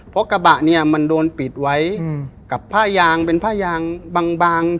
เพราะกระบะเนี่ยมันโดนปิดไว้กับผ้ายางเป็นผ้ายางบาง